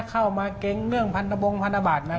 เข้ามาเก็งเรื่องพันธบงพันธบาทนะ